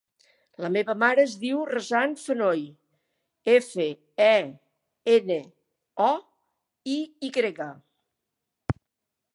La meva mare es diu Razan Fenoy: efa, e, ena, o, i grega.